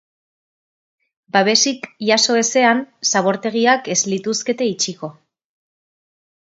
Babesik jaso ezean, zabortegiak ez lituzkete itxiko.